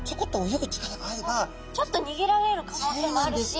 ちょっとにげられる可能性もあるし。